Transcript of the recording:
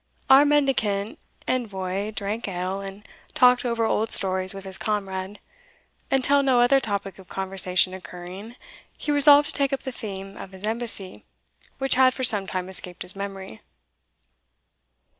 Our mendicant envoy drank ale, and talked over old stories with his comrade, until, no other topic of conversation occurring, he resolved to take up the theme of his embassy, which had for some time escaped his memory.